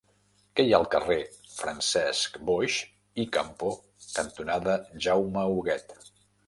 Què hi ha al carrer Francesc Boix i Campo cantonada Jaume Huguet?